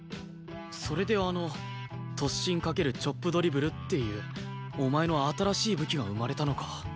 それであの突進×チョップドリブルっていうお前の新しい武器が生まれたのか。